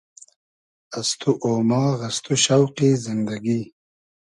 از تو اۉماغ از تو شۆقی زیندئگی